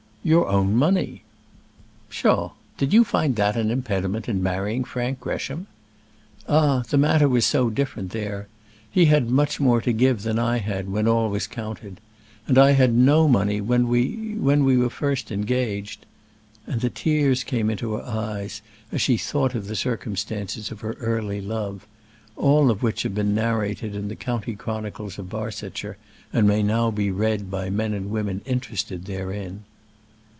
"Your own money." "Psha! Did you find that an impediment in marrying Frank Gresham?" "Ah! the matter was so different there. He had much more to give than I had, when all was counted. And I had no money when we when we were first engaged." And the tears came into her eyes as she thought of the circumstances of her early love; all of which have been narrated in the county chronicles of Barsetshire, and may now be read by men and women interested therein.